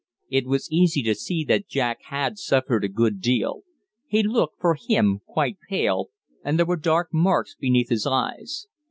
It was easy to see that Jack had suffered a good deal; he looked, for him, quite pale, and there were dark marks beneath his eyes.